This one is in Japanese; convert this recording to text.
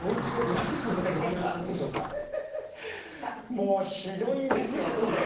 もうひどいんですようちでは。